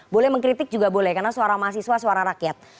boleh mengkritik juga boleh karena suara mahasiswa suara rakyat